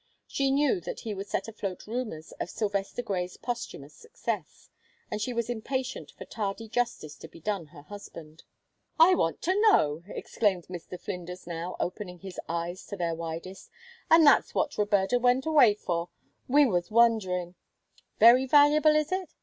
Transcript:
She knew that he would set afloat rumors of Sylvester Grey's posthumous success, and she was impatient for tardy justice to be done her husband. "I want to know!" exclaimed Mr. Flinders now, opening his eyes to their widest. "And that's what Roberta went away for we was wonderin'. Very valuable, is it?